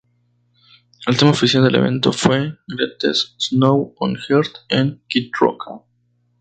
El tema oficial del evento fue ""Greatest Show on Earth"" de Kid Rock.